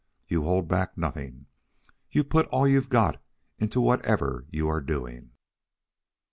You hold back nothing; you put all you've got into whatever you are doing."